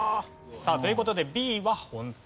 さあという事でＢは本当。